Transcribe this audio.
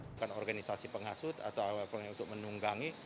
bukan organisasi penghasut atau organisasi untuk menunggangi